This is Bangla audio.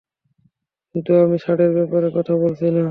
কিন্তু আমি ষাঁড়ের ব্যাপারে কথা বলছি না।